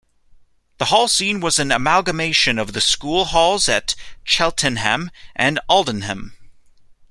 The Hall scene was an amalgamation of the school halls at Cheltenham and Aldenham.